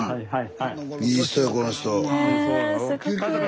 はい。